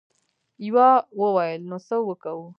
يوه وويل: نو څه وکو؟